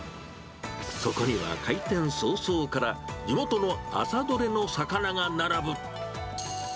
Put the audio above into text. そこには開店早々から地元の朝取れの魚が並ぶ。